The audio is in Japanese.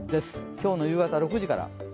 今日の夕方６時から。